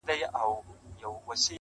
چي یوازي ملکه او خپل سترخان سو!!